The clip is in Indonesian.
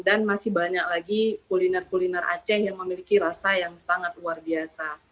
dan masih banyak lagi kuliner kuliner aceh yang memiliki rasa yang sangat luar biasa